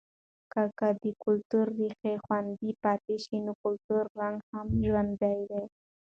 که که د کلتور ریښې خوندي پاتې شي، نو کلتوری رنګ هم ژوندی دی.